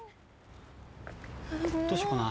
どうしようかな？